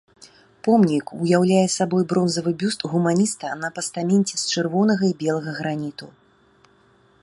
Помнік уяўляе сабой бронзавы бюст гуманіста на пастаменце з чырвонага і белага граніту.